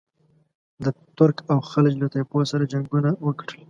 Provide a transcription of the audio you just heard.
د ترک او خلج له طایفو سره جنګونه وکړل.